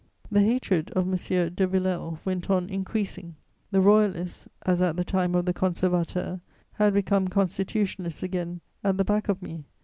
The hatred of M. de Villèle went on increasing; the Royalists, as at the time of the Conservateur, had become Constitutionalists again, at the back of me.